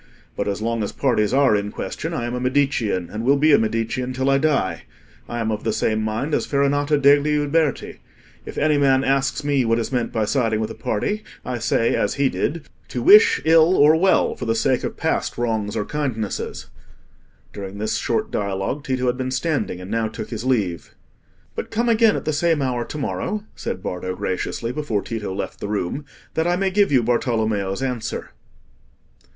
But as long as parties are in question, I am a Medicean, and will be a Medicean till I die. I am of the same mind as Farinata degli Uberti: if any man asks me what is meant by siding with a party, I say, as he did, 'To wish ill or well, for the sake of past wrongs or kindnesses.'" During this short dialogue, Tito had been standing, and now took his leave. "But come again at the same hour to morrow," said Bardo, graciously, before Tito left the room, "that I may give you Bartolommeo's answer."